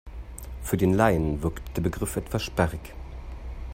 Für den Laien wirkt der Begriff etwas sperrig.